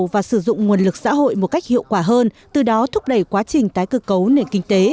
và sử dụng nguồn lực xã hội một cách hiệu quả hơn từ đó thúc đẩy quá trình tái cơ cấu nền kinh tế